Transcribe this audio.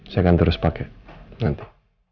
saya akan terus pakai nanti